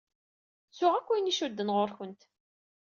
Ttuɣ akk ayen icudden ɣur-kent.